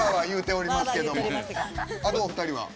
あとお二人は？